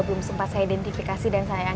sampai jumpa di video selanjutnya